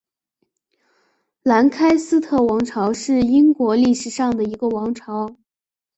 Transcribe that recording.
兰开斯特王朝是英国历史上的一个王朝。